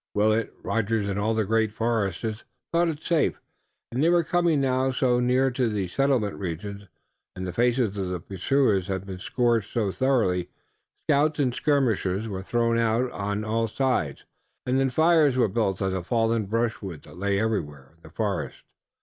Willet, Rogers and all the great foresters thought it safe, as they were coming now so near to the settled regions, and the faces of the pursuers had been scorched so thoroughly. Scouts and skirmishers were thrown out on all sides, and then fires were built of the fallen brushwood that lay everywhere in the forest.